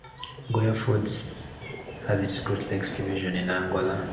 Goya Foods has its Great Lakes division in Angola.